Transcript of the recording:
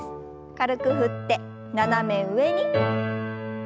軽く振って斜め上に。